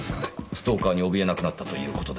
ストーカーに怯えなくなったという事ですよ。